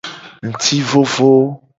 Ngti vovo.